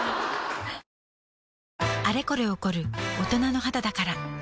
あれこれ起こる大人の肌だから